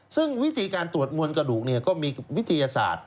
ซึ่งวิธีการตรวจมวลกระดูกก็มีวิทยาศาสตร์